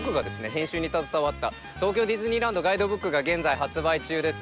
編集に携わった『東京ディズニーランドガイドブック』が現在発売中です。